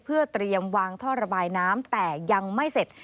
เพื่อเตรียมวางท่อระบายน้ำแต่ยังไม่เสร็จ